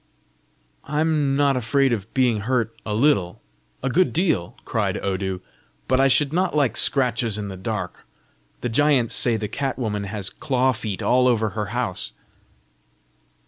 "I'm not afraid of being hurt a little! a good deal!" cried Odu. "But I should not like scratches in the dark! The giants say the cat woman has claw feet all over her house!"